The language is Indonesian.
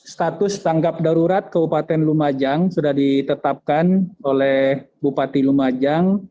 status tanggap darurat kabupaten lumajang sudah ditetapkan oleh bupati lumajang